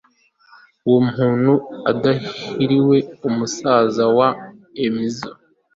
uwo muntu udahiriwe umusaza wa ems